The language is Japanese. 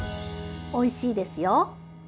おいしいですよ。